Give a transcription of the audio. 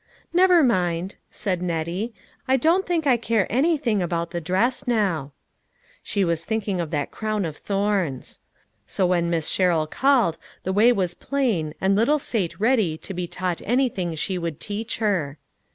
" Never mind," said Nettie, " I don't think I care anything about the dress now." She was 300 LITTLE FISHERS: AND THEIR NETS. thinking of that crown of thorns. So when Miss Sherrill called the way was plain and little Sate ready to be taught anything she would teach her.